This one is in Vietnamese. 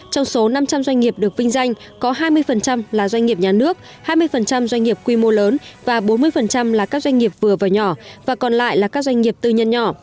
trong số năm trăm linh doanh nghiệp được vinh danh có hai mươi là doanh nghiệp nhà nước hai mươi doanh nghiệp quy mô lớn và bốn mươi là các doanh nghiệp vừa và nhỏ và còn lại là các doanh nghiệp tư nhân nhỏ